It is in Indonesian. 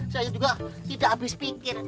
saya juga tidak habis pikir